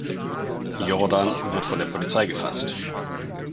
Jordan wird von der Polizei gefasst.